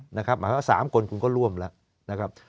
หมายความว่า๓คนคุณก็ร่วมแล้ว